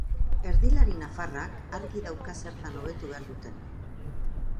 Erdilari nafarrak argi dauka zertan hobetu behar duten.